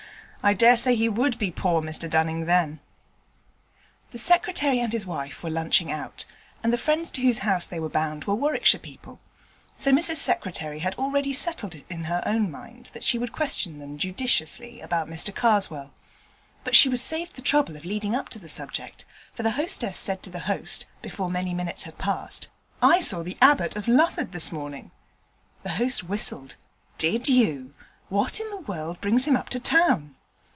I dare say he would be poor Mr Dunning then.' The Secretary and his wife were lunching out, and the friends to whose house they were bound were Warwickshire people. So Mrs Secretary had already settled it in her own mind that she would question them judiciously about Mr Karswell. But she was saved the trouble of leading up to the subject, for the hostess said to the host, before many minutes had passed, 'I saw the Abbot of Lufford this morning.' The host whistled. 'Did you? What in the world brings him up to town?'